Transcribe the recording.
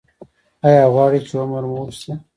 ایا غواړئ چې عمر مو اوږد شي؟